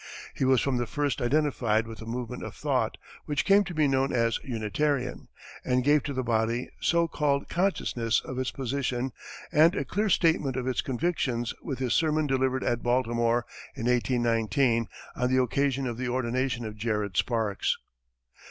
He was from the first identified with the movement of thought, which came to be known as Unitarian, and gave to the body so called a consciousness of its position and a clear statement of its convictions with his sermon delivered at Baltimore, in 1819, on the occasion of the ordination of Jared Sparks.